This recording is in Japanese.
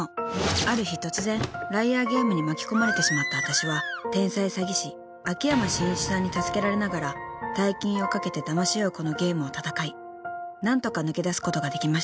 ある日突然ＬＩＡＲＧＡＭＥに巻き込まれてしまったわたしは天才詐欺師秋山深一さんに助けられながら大金を賭けてだまし合うこのゲームを戦い何とか抜け出すことができました］